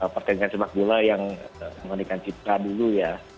perkenaan sepak bola yang menganikan cipta dulu ya